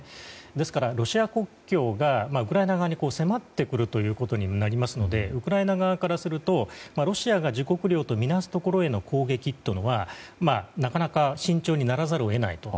ですからロシア国境がウクライナ側に迫ってくることになりますのでウクライナ側からするとロシアが自国領とみなすところへの攻撃というのは、なかなか慎重にならざるを得ないと。